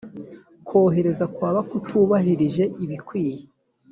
kohereza kwaba kutubahirije ibikwiye